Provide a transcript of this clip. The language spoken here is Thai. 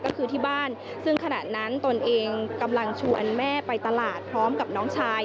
ก็คือที่บ้านซึ่งขณะนั้นตนเองกำลังชวนแม่ไปตลาดพร้อมกับน้องชาย